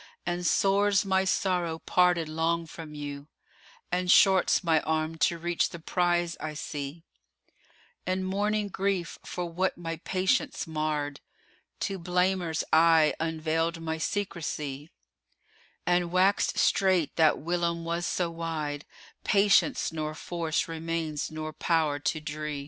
And sore's my sorrow parted long from you, * And short's my arm to reach the prize I see; And mourning grief for what my patience marred * To blamer's eye unveiled my secresy; And waxed strait that whilome was so wide * Patience nor force remains nor power to dree.